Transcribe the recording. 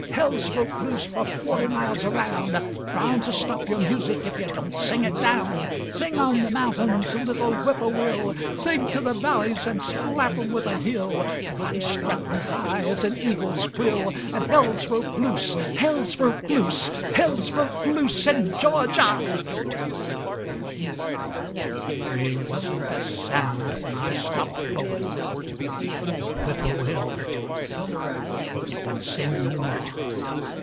Hell's broke loose for forty miles aroun' Bound to stop yore music if yuh don['t sing it down. Sing on the mountains, little whippoorwill, Sing to the valleys, an' slap 'em with a hill, For I'm struttin' high as an eagle's quill, An' hell's broke loose, Hell's broke loose, Hell's broke loose in Georgia! They wasn't a sound when I stopped bowin', (Whippoorwill, yuh can sing no more.)